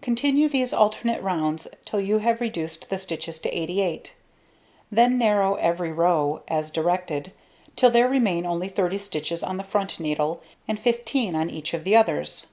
Continue these alternate rows till you have reduced the stitches to 88, then narrow every row, as directed, till there remain only 30 stitches on the front needle, and 15 on each of the others.